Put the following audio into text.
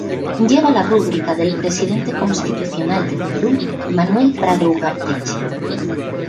Lleva la rúbrica del Presidente Constitucional del Perú, Manuel Prado Ugarteche..